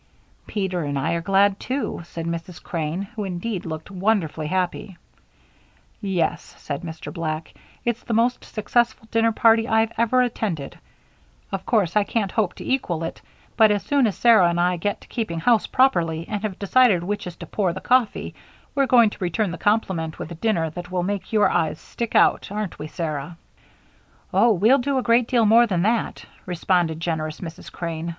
"Peter and I are glad, too," said Mrs. Crane, who indeed looked wonderfully happy. "Yes," said Mr. Black, "it's the most successful dinner party I've ever attended. Of course I can't hope to equal it, but as soon as Sarah and I get to keeping house properly and have decided which is to pour the coffee, we're going to return the compliment with a dinner that will make your eyes stick out, aren't we, Sarah?" "Oh, we'll do a great deal more than that," responded generous Mrs. Crane.